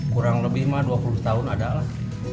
kurang lebih dua puluh tahun ada lah